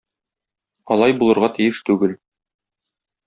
Алай булырга тиеш түгел.